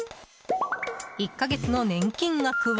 １か月の年金額は。